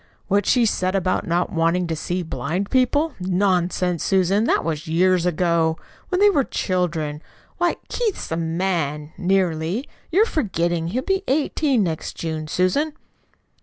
What she said about not wanting to see blind people? Nonsense, Susan, that was years ago, when they were children! Why, Keith's a man, nearly. You're forgetting he'll be eighteen next June, Susan."